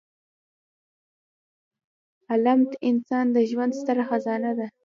علمد انسان د ژوند ستره خزانه ده.